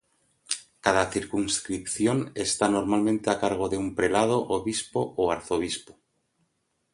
Cada circunscripción está normalmente a cargo de un prelado, obispo o arzobispo.